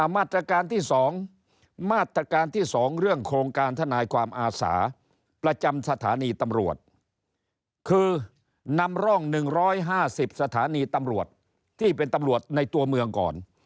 มาตรการที่๒มาตรการที่๒เรื่องโครงการทนายความอาสาประจำสถานีตำรวจคือนำร่อง๑๕๐สถานีตำรวจที่เป็นตำรวจในตัวเมืองก่อน